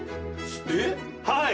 はい。